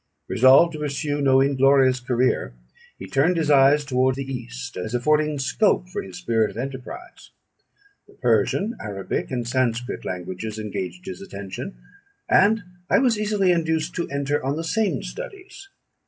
Resolved to pursue no inglorious career, he turned his eyes toward the East, as affording scope for his spirit of enterprise. The Persian, Arabic, and Sanscrit languages engaged his attention, and I was easily induced to enter on the same studies.